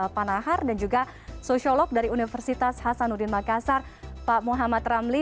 pak nahar dan juga sosiolog dari universitas hasanuddin makassar pak muhammad ramli